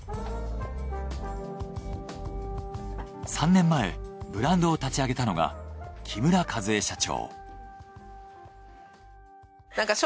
３年前ブランドを立ち上げたのが木村一恵社長。